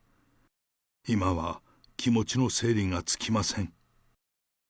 今は気持ちの整理がつきません。